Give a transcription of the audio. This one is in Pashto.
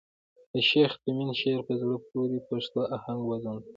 د شېخ تیمن شعر په زړه پوري پښتو آهنګ وزن لري.